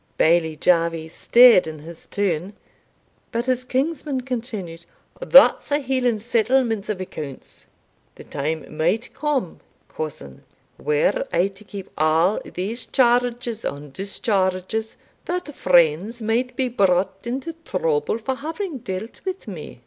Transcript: Bailie Jarvie stared in his turn, but his kinsman continued, "That's a Hieland settlement of accounts. The time might come, cousin, were I to keep a' these charges and discharges, that friends might be brought into trouble for having dealt with me."